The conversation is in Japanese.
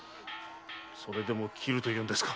それでも斬るというんですか？